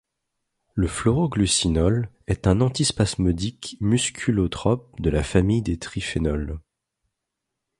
Le phloroglucinol est un antispasmodique musculotrope de la famille des triphénols.